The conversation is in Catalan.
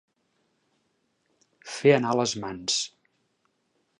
Fer anar les mans.